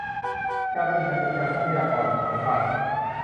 การบริหารจัดการทรัพยากรธรรมชาติ